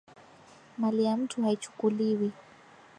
mali ya mtu haichukuliwi